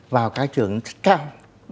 vào các trường cao